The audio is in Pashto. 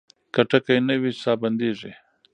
که ټکی نه وي ساه بندېږي.